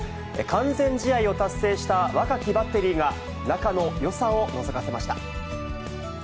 完全試合を達成した若きバッテリーが仲のよさをのぞかせました。